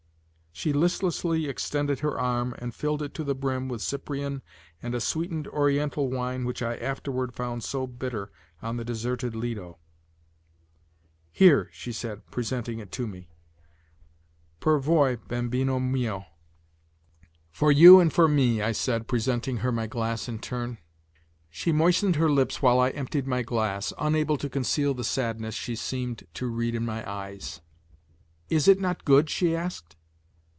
She listlessly extended her arm and filled it to the brim with Cyprian and a sweetened Oriental wine which I afterward found so bitter on the deserted Lido. "Here," she said, presenting it to me, "per voi, bambino mio." "For you and for me," I said, presenting her my glass in turn. She moistened her lips while I emptied my glass, unable to conceal the sadness she seemed to read in my eyes. "Is it not good?" she asked.